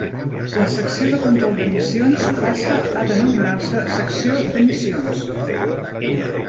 La Secció de Control d'Emissions passa a denominar-se Secció d'Emissions.